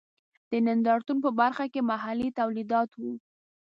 د نندارتون په برخه کې محلي تولیدات و.